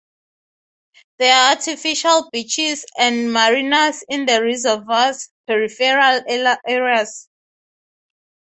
There are artificial beaches and marinas in the reservoir's peripheral areas.